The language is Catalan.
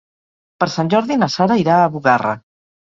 Per Sant Jordi na Sara irà a Bugarra.